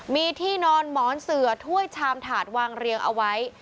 มีที่นอนหมอนเสือถ้วยชามถาดวางเรียงเอาไว้